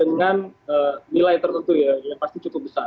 dengan nilai tertentu ya yang pasti cukup besar